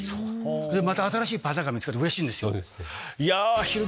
また新しいパターンが見つかるとうれしいんですよ。